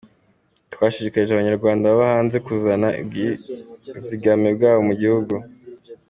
Twashishikarije Abanyarwanda baba hanze kuzana ubwizigame bwabo mugihugu.